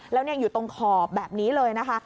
แล้วอยู่ตรงขอบแบบนี้เลยนะคะ